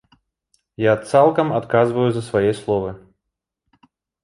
Я цалкам адказваю за свае словы.